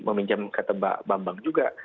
meminjam kata mbak bambang juga